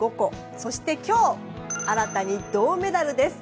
そして今日新たに銅メダルです。